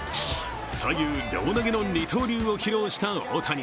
左右両投げの二刀流を披露した大谷。